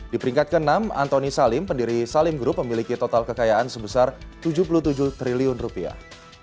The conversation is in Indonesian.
di peringkat ke enam antoni salim pendiri salim group memiliki total kekayaan sebesar tujuh puluh tujuh triliun rupiah